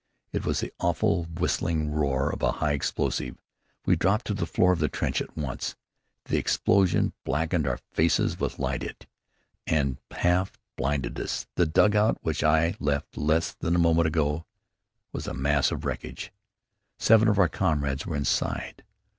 It was the awful whistling roar of a high explosive. We dropped to the floor of the trench at once. The explosion blackened our faces with lyddite and half blinded us. The dugout which I had left less than a moment ago was a mass of wreckage. Seven of our comrades were inside.